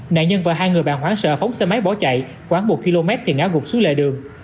nạn nhân sợ phóng xe máy bỏ chạy khoảng một km thì ngã gục xuống lề đường